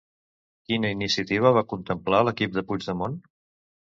Quina iniciativa va contemplar l'equip de Puigdemont?